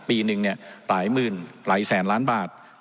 ปีหนึ่งหลายหมื่นหลายแสนล้านบาท